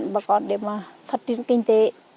cho ba con để mà phát triển kinh tế